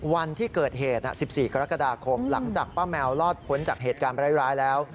วันที่เกิดเหตุ๑๔กรกฎาคมหลังจากป้าแมวรอดพ้นจากเหตุการณ์ร้ายแล้ว